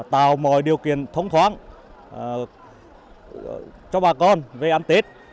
tạo mọi điều kiện thông thoáng cho bà con về ăn tết